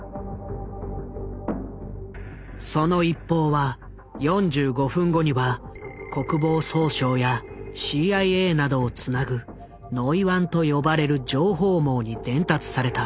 その一報は４５分後には国防総省やＣＩＡなどをつなぐ「ノイワン」と呼ばれる情報網に伝達された。